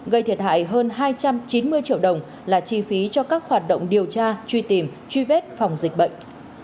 gây thiệt hại hơn hai trăm chín mươi triệu đồng là chi phí cho các hoạt động điều tra truy tìm truy vết phòng dịch bệnh